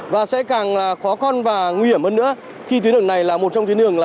và sẽ càng khó khăn và nguy hiểm hơn nữa khi tuyến đường này là một trong tuyến đường